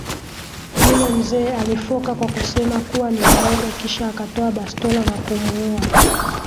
Yule mzee alifoka kwa kusema kuwa ni waoga kisha akatoa bastola na kumuua